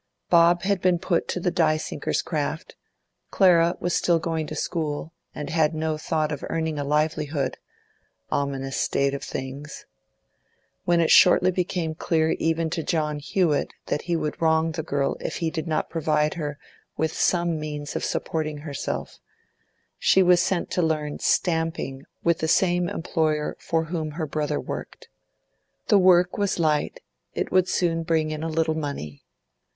Bob had been put to the die sinker's craft; Clara was still going to school, and had no thought of earning a livelihood—ominous state of things, When it shortly became clear even to John Hewett that he would wrong the girl if he did not provide her with some means of supporting herself, she was sent to learn 'stamping' with the same employer for whom her brother worked. The work was light; it would soon bring in a little money.